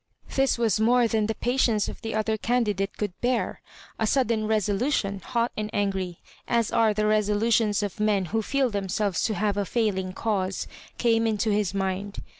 This was more than the patience of the other candidate could bear. A sudden resolution, hot and angry, as are the resolutions of men who feel themselves to have a failing cause, came into his mind.